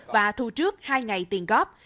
và thu trước hai ngày tiền góp